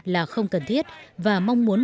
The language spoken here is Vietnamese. là không cần thiết và mong muốn